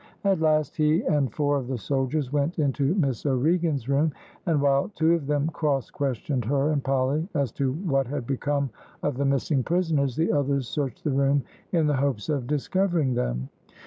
At last, he and four of the soldiers went into Miss O'Regan's room, and while two of them cross questioned her and Polly as to what had become of the missing prisoners, the others searched the room in the hopes of discovering them.